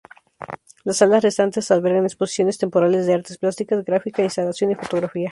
Las salas restantes albergan exposiciones temporales de artes plásticas, gráfica, instalación y fotografía.